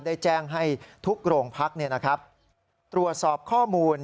ได้แจ้งให้ทุกโรงพักตรวจสอบข้อมูล